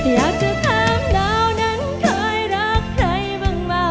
อยากจะถามเรานั้นเคยรักใครบ้าง